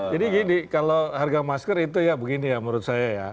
jadi gini kalau harga masker itu ya begini ya menurut saya ya